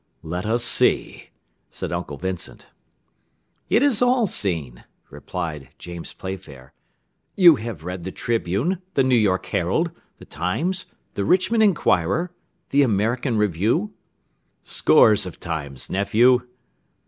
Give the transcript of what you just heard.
"Let us see," said Uncle Vincent. "It is all seen," replied James Playfair. "You have read the Tribune, the New York Herald, The Times, the Richmond Inquirer, the American Review?" "Scores of times, nephew."